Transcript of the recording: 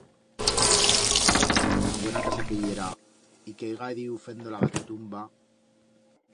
Tan buena casa que yera, y que haiga diu fendo la gatatumba.